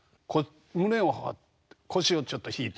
胸を張って腰をちょっと引いて。